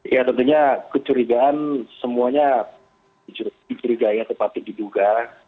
ya tentunya kecurigaan semuanya kecuriganya seperti diduga